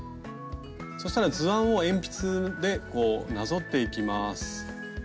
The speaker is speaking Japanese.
そしたら図案を鉛筆でこうなぞっていきます。